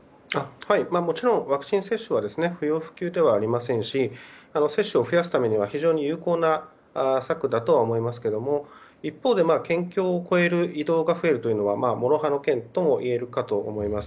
もちろんワクチン接種は不要不急ではありませんし接種を増やすためには非常に有効な策だと思いますが一方、県境を越える移動が増えるのはもろ刃の剣ともいえるかと思います。